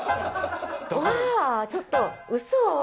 わぁちょっとウソ。